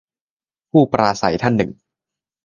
- ผู้ปราศัยท่านหนึ่ง